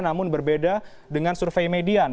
namun berbeda dengan survei median